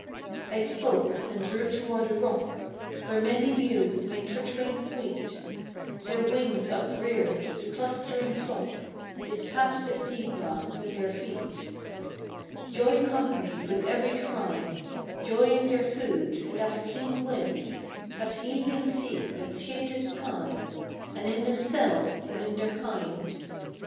I spoke, and drew toward a rock, Where many mews made twittering sweet; Their wings upreared, the clustering flock Did pat the sea grass with their feet. THE DAWN OF LOVE. 87 Joy companied with every cry, Joy in their food, in that keen wind, That heaving sea, that shaded sky, And in themselves, and in their kind.